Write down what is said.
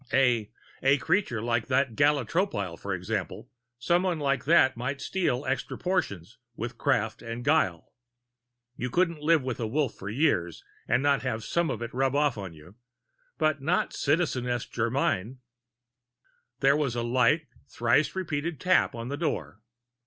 A a creature like that Gala Tropile, for example someone like that might steal extra portions with craft and guile. You couldn't live with a Wolf for years and not have some of it rub off on you. But not Citizeness Germyn. There was a light, thrice repeated tap on the door.